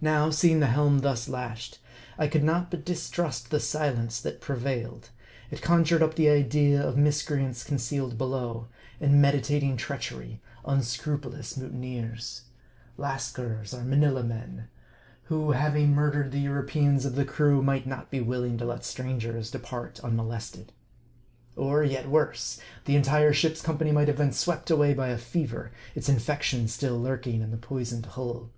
Now, seeing the helm thus lashed, I could not but dis trust the silence that prevailed. It conjured up the idea of miscreants concealed below, and meditating treachery ; un scrupulous mutineers Lascars, or Manilla men ; who, hav M A R D I. 75 ing murdered the Europeans of the crew, might not be willing to let strangers depart unmolested. Or yet worse, the entire ship's company might have been swept away by a fever, its infection still lurking in the poisoned hull.